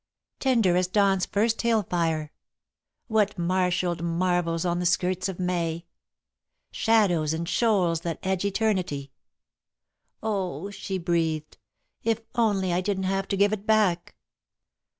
"Tender as dawn's first hill fire," ... "What marshalled marvels on the skirts of May," ... "Shadows and shoals that edge eternity." ... "Oh," she breathed, "if only I didn't have to give it back!"